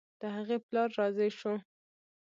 د هغې پلار راضي شو.